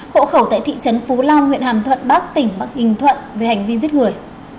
hộ khẩu tại thị trấn phú long huyện hàm thuận bắc tỉnh bắc ninh thuận về hành vi giết người